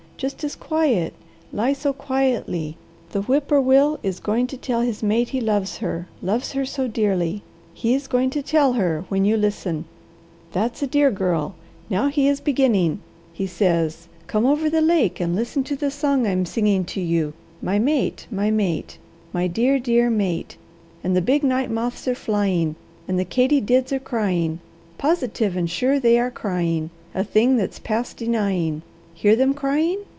Just as quiet! Lie so quietly. The whip poor will is going to tell his mate he loves her, loves her so dearly. He is going to tell her, when you listen. That's a dear girl. Now he is beginning. He says, 'Come over the lake and listen to the song I'm singing to you, my mate, my mate, my dear, dear mate,' and the big night moths are flying; and the katydids are crying, positive and sure they are crying, a thing that's past denying. Hear them crying?